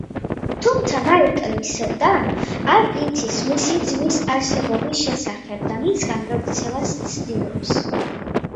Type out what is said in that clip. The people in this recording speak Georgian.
თუმცა მაიკლის დამ არ იცის მისი ძმის არსებობის შესახებ და მისგან გაქცევას ცდილობს.